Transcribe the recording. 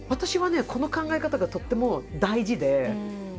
この考え方がとっても大事で。